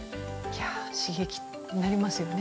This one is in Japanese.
刺激になりますよね。